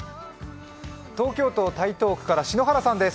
東京都台東区から篠原さんです。